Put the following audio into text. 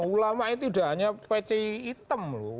ulama itu sudah hanya pece hitam loh